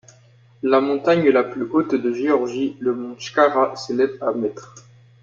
La montagne la plus haute de Géorgie, le mont Chkhara, s'élève à mètres.